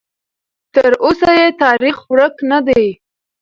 تراوسه یې تاریخ ورک نه دی.